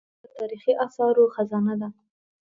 مځکه د تاریخي اثارو خزانه ده.